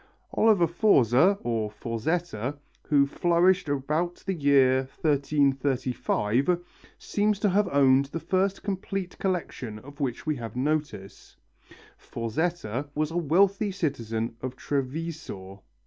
Oliver Forza, or Forzetta, who flourished about the year 1335, seems to have owned the first complete collection of which we have notice. Forzetta was a wealthy citizen of Treviso.